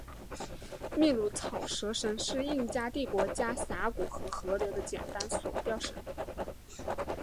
秘鲁草绳桥是印加帝国过峡谷和河流的简单吊索桥。